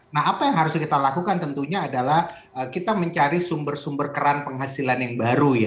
nah apa yang harus kita lakukan tentunya adalah kita mencari sumber sumber keran penghasilan yang baru ya